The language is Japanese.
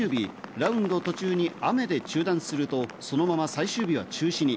ラウンド途中に雨で中断すると、そのまま最終日は中止に。